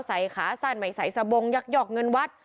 ใส่ขาสั่นใส่สบงยักยอกเงินวัด